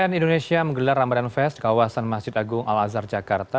cnn indonesia menggelar ramadan fest kawasan masjid agung al azhar jakarta